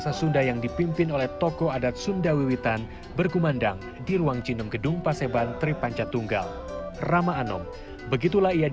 sampai jumpa di video selanjutnya